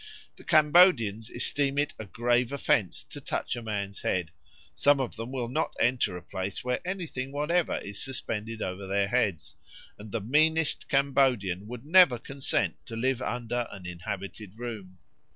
The Cambodians esteem it a grave offence to touch a man's head; some of them will not enter a place where anything whatever is suspended over their heads; and the meanest Cambodian would never consent to live under an inhabited room.